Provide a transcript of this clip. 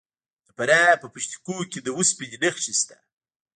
د فراه په پشت کوه کې د وسپنې نښې شته.